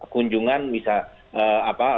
kunjungan bisa apa